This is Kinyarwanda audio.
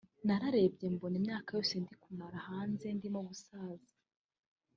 nararebye mbona imyaka yose ndimo kumara hanze ndimo gusaza